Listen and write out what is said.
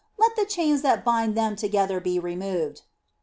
Let the chains that bind them together be removed."